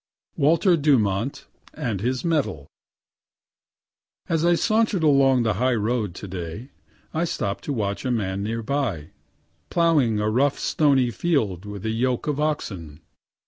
WALTER DUMONT AND HIS MEDAL As I saunter'd along the high road yesterday, I stopp'd to watch a man near by, ploughing a rough stony field with a yoke of oxen.